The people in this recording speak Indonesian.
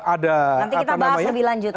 nanti kita bahas lebih lanjut